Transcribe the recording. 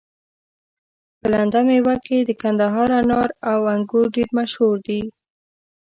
په لنده ميوه کي د کندهار انار او انګور ډير مشهور دي